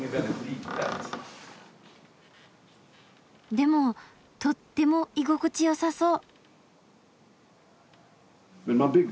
でもとっても居心地よさそう。